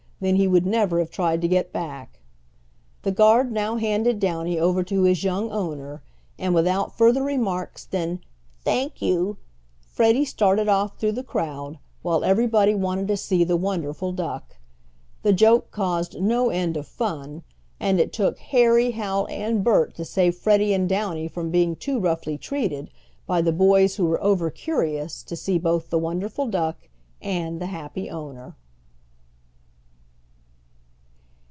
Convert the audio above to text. Then he would never have tried to get back." The guard now handed Downy over to his young owner, and without further remarks than "Thank you," Freddie started off through the crowd, while everybody wanted to see the wonderful duck. The joke caused no end of fun, and it took Harry, Hal, and Bert to save Freddie and Downy from being too roughly treated, by the boys who were over curious to see both the wonderful duck and the happy owner.